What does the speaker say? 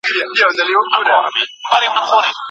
دا د هغې اصلي شخصیت و.